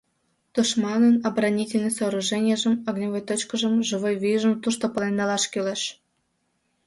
Тушманын оборонительный сооруженийжым, огневой точкыжым, живой вийжым тушто пален налаш кӱлеш.